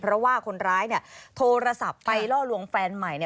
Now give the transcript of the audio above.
เพราะว่าคนร้ายโทรศัพท์ไปล่อลวงแฟนใหม่